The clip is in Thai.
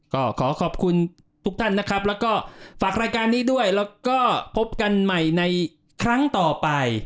ก็ขอขอบคุณทุกท่านนะครับแล้วก็ฝากรายการนี้ด้วยแล้วก็พบกันใหม่ในครั้งต่อไป